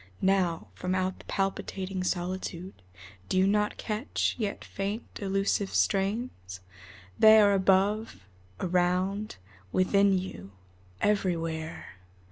Now, From out the palpitating solitude Do you not catch, yet faint, elusive strains? They are above, around, within you, everywhere.